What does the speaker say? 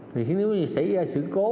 thì nếu như xảy ra sự cố